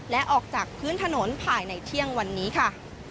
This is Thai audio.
และออกจากพื้นถนนภายในเที่ยงวันนี้ค่ะ